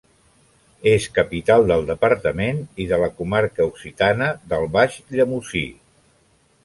És capital del departament i de la comarca occitana del Baix Llemosí.